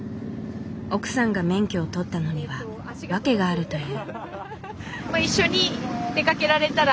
奥さんが免許を取ったのには訳があるという。